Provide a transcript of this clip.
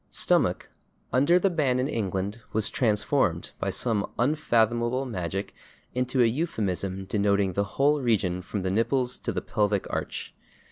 /Stomach/, under the ban in England, was transformed, by some unfathomable magic, into a euphemism denoting the whole region from the nipples to the pelvic arch.